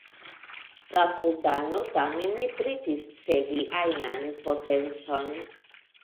La Sultano, tamen, ne pretis cedi ajnan potencon.